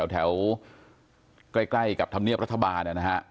แถวใกล้กับธรรมเนียบรัฐบาลนะฮะ